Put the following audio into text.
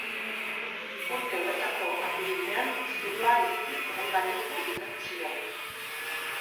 Urte horretako apirilean zuloa ireki eta hainbat leku ikertu ziren.